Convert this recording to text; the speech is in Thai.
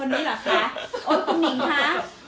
โอ้ยคุณหนิงคะ